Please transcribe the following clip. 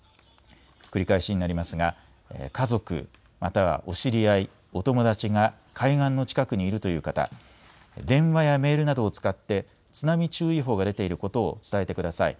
繰り返しになりますが家族、またお知り合い、お友達が海岸の近くにいるという方、電話やメールなどを使って津波注意報が出ていることを伝えてください。